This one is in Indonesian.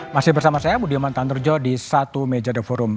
masih bersama saya budi aman tanurjo di satu meja the forum